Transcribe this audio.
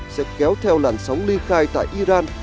sẽ kéo theo làn sóng ly khai tại iran